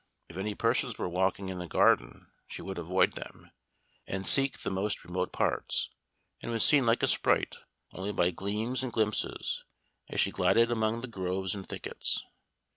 If any persons were walking in the garden she would avoid them, and seek the most remote parts; and was seen like a sprite, only by gleams and glimpses, as she glided among the groves and thickets.